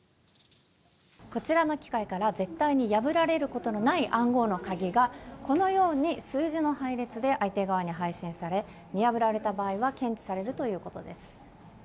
こちらの機械から絶対に破られることのない暗号の鍵が、このように数字の配列で相手側に配信され、見破られた場合は検知されるということです。